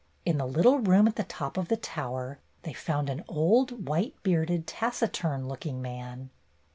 In the little room at the top of the tower they found an old, white bearded, taciturn looking man.